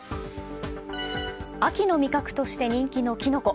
秋の味覚として人気のキノコ。